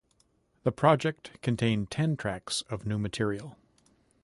The project contained ten tracks of new material.